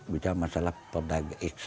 bisa masalah produk